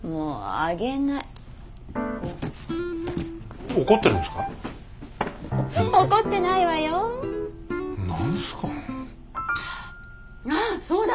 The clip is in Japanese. ああそうだ！